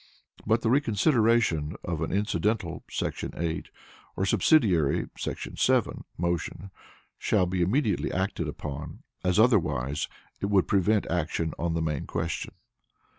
But the reconsideration of an Incidental [§ 8] or Subsidiary [§ 7] motion shall be immediately acted upon, as otherwise it would prevent action on the main question.